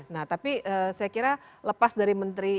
nah tapi saya kira lepas dari menteri